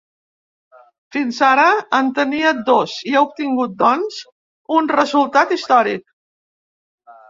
Fins ara en tenia dos i ha obtingut, doncs, un resultat històric.